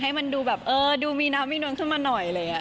ให้มันดูแบบเออดูมีน้ำมินวนขึ้นมาหน่อย